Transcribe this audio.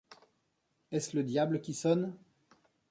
Est-ce le diable qui sonne ?